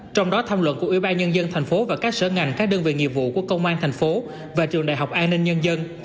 trong đó tham luận của ủy ban nhân dân thành phố và các sở ngành các đơn vị nghiệp vụ của công an thành phố và trường đại học an ninh nhân dân